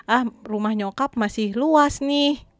ah rumah nyokap masih luas nih